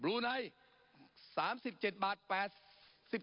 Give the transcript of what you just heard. ปรับไปเท่าไหร่ทราบไหมครับ